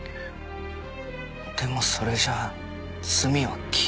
でもそれじゃ罪は消えない。